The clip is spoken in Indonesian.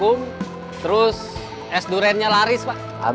untuk yang malam gila